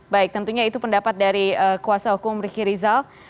baik tentunya itu pendapat dari kuasa hukum riki rizal